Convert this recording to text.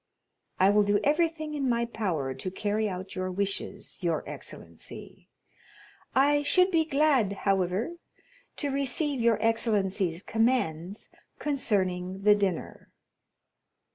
"I will do everything in my power to carry out your wishes, your excellency. I should be glad, however, to receive your excellency's commands concerning the dinner."